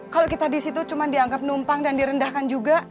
kalau kita disitu cuma dianggap numpang dan direndahkan juga